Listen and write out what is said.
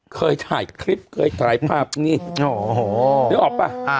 เคยถ่ายคลิปเคยถ่ายภาพนี่นึกออกป่ะ